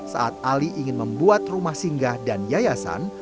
saat ali ingin membuat rumah singgah dan yayasan